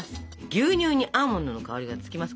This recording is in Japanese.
牛乳にアーモンドの香りがつきます